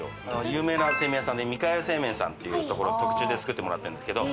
有名な製麺屋さんで三河屋製麺さんっていうところ特注で作ってもらってるんですけど。